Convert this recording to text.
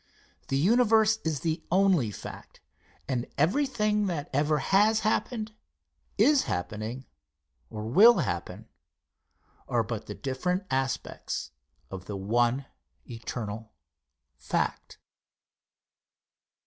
The Universe in the only fact, and everything that ever has happened, is happening, or will happen, are but the different aspects of the one eternal fact.